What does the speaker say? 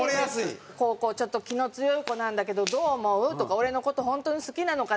こうちょっと「気の強い子なんだけどどう思う？」とか「俺の事本当に好きなのかな？」